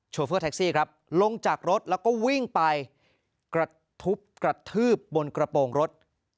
เฟอร์แท็กซี่ครับลงจากรถแล้วก็วิ่งไปกระทบกระทืบบนกระโปรงรถ